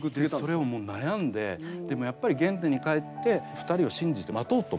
それを悩んででもやっぱり原点に返って２人を信じて待とうと思ったんですね。